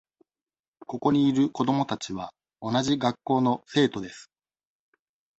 ここにいる子どもたちは同じ学校の生徒です。